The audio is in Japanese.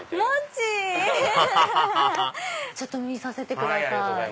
アハハハハちょっと見させてください。